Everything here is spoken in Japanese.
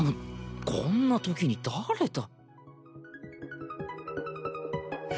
こんなときに誰だ。